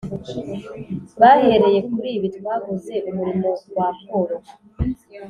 Bahereye kuri ibi twavuze umurimo wakoroha.